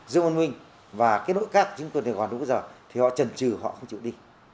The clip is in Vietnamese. dương nguyên minh và cái nội các chính tuần sài gòn đúng giờ thì họ trần trừ họ không chịu đi